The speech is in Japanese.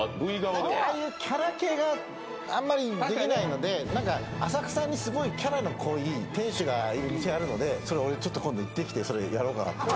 ああいうキャラ系があんまりできないので浅草にすごいキャラの濃い店主がいる店あるので俺今度行ってきてそれやろうかなと。